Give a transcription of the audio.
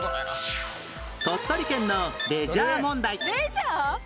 鳥取県のレジャー問題レジャー？